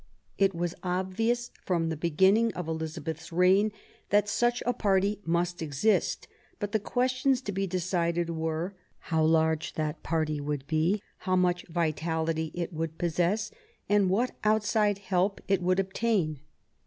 It was obvious from the beginning of Elizabeth's reign that such a party must exist ; but the questions to be decided were — how large that party would be, how much vitality it would possess, and what outside help it would obtain.